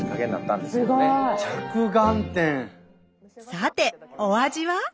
さてお味は？